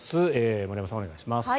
森山さん、お願いします。